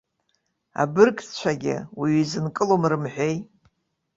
Абыргцәагьы уаҩы изынкылом, рымҳәеи.